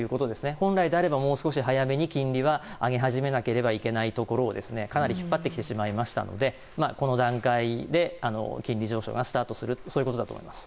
本来ではもう少し早めに金利を上げ始めなければいけないところでかなり引っ張ってきてしまいましたのでこの段階で金利上昇がスタートすると。